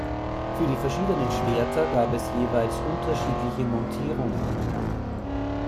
Für die verschiedenen Schwerter gab es jeweils unterschiedliche Montierungen.